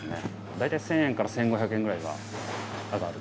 大体１０００円から１５００円ぐらいは上がる。